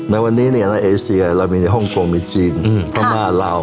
ในวันนี้เนี่ยในเอเซียเรามีในฮ่องโกงมีจีนอืมฮ่ามาลาว